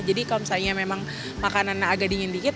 jadi kalau misalnya memang makanan agak dingin dikit